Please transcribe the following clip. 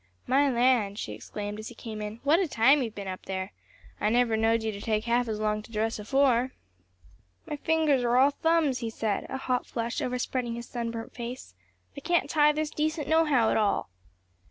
"My land!" she exclaimed, as he came in, "what a time you've been up there. I never knowed you to take half as long to dress afore." "My fingers are all thumbs," he said, a hot flush overspreading his sunburnt face, "I can't tie this decent nohow at all."